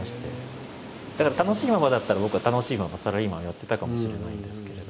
だから楽しいままだったら僕は楽しいままサラリーマンをやってたかもしれないんですけれど。